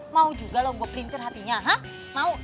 mau juga lo gue printer hatinya hah mau